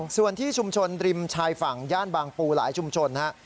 ส่วนที่ชุมชนริมชายฝั่งย่านบางปูหลายชุมชนนะครับ